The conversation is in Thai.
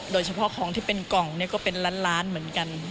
โดยเฉพาะของที่เป็นกล่องก็เป็นล้านล้านเหมือนกัน